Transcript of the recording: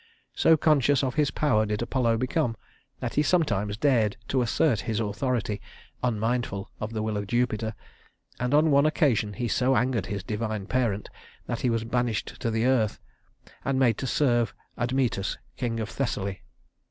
So conscious of his power did Apollo become, that he sometimes dared to assert his authority, unmindful of the will of Jupiter; and on one occasion he so angered his divine parent that he was banished to the earth, and made to serve Admetus, king of Thessaly.